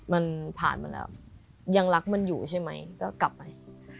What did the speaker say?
มันผ่านมาแล้วยังรักมันอยู่ใช่ไหมก็กลับไป